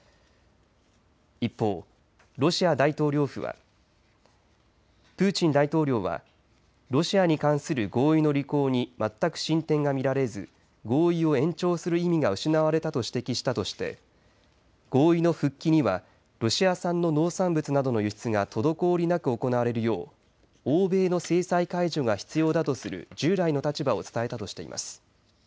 一方、ロシア大統領府はプーチン大統領はロシアに関する合意の履行に全く進展が見られず合意を延長する意味が失われたと指摘したとして合意の復帰にはロシア産の農産物などの輸出が滞りなく行われるよう欧米の制裁解除が必要だとする従来の立場を伝えたとしています。